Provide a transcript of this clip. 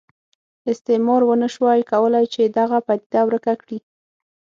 استعمار ونه شوای کولای چې دغه پدیده ورکه کړي.